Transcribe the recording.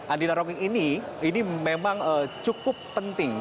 andi narogong ini memang cukup penting